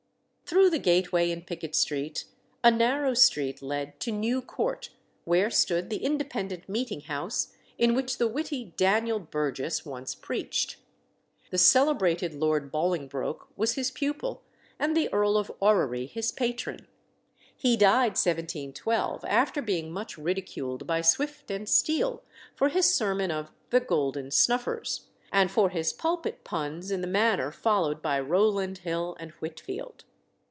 Through the gateway in Pickett Street, a narrow street led to New Court, where stood the Independent Meeting House in which the witty Daniel Burgess once preached. The celebrated Lord Bolingbroke was his pupil, and the Earl of Orrery his patron. He died 1712, after being much ridiculed by Swift and Steele for his sermon of The Golden Snuffers, and for his pulpit puns in the manner followed by Rowland Hill and Whitfield.